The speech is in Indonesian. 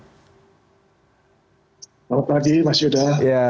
selamat pagi mas yuda